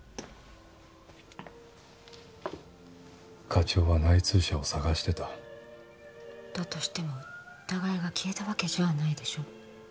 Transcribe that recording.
課長は内通者を捜してただとしても疑いが消えたわけじゃないでしょ